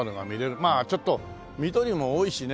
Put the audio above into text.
まあちょっと緑も多いしね。